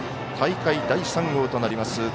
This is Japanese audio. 大会第３号となります